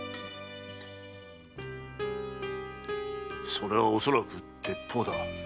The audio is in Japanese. それは恐らく鉄砲だ。